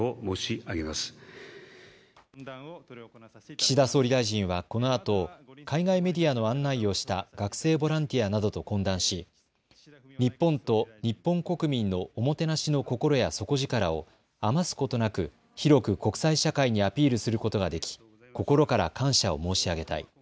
岸田総理大臣はこのあと海外メディアの案内をした学生ボランティアなどと懇談し日本と日本国民のおもてなしの心や底力を余すことなく広く国際社会にアピールすることができ心から感謝を申し上げたい。